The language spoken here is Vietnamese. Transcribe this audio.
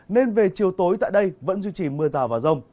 nên về chiều tối tại đây vẫn duy trì mưa rào và rông